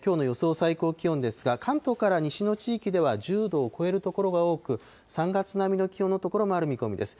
最高気温ですが、関東から西の地域では１０度を超える所が多く、３月並みの気温の所もある見込みです。